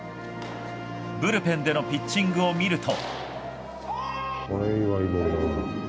ブルペンでのピッチングを見ると。